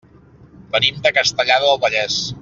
Venim de Castellar del Vallès.